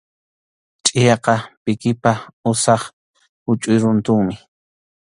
Chʼiyaqa pikipa usap huchʼuy runtunmi.